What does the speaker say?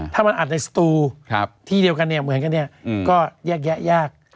ถ้ามันอัดในสตูที่เดียวกันเหมือนกันก็แยกแยก